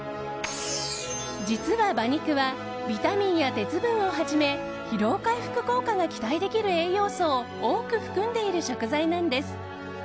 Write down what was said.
実は馬肉はビタミンや鉄分をはじめ疲労回復効果が期待できる栄養素を多く含んでいる食材なんです。